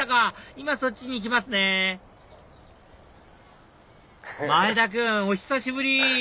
今そっちに行きますね前田君お久しぶり！